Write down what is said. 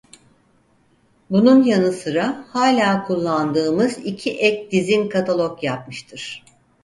Bunun yanı sıra hala kullandığımız iki ek Dizin Katalog yapmıştır.